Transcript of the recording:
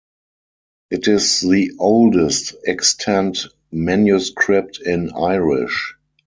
It is the oldest extant manuscript in Irish.